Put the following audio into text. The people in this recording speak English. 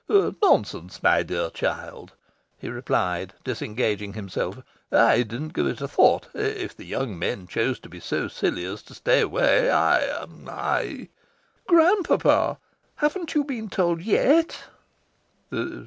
"Nonsense, my dear child," he replied, disengaging himself. "I didn't give it a thought. If the young men chose to be so silly as to stay away, I I " "Grand papa, haven't you been told YET?"